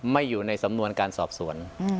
อยู่ในสำนวนการสอบสวน